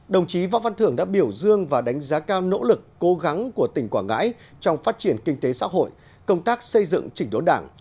đồng chí võ văn thưởng đã biểu dương và đánh giá cao nỗ lực cố gắng của tỉnh quảng ngãi trong phát triển kinh tế xã hội công tác xây dựng chỉnh đốn đảng